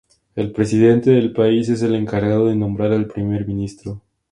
El presidente del país es el encargado de nombrar al primer ministro.